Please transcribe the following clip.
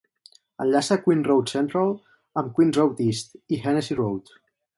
Enllaça Queen's Road Central amb Queen's Road East i Hennessy Road.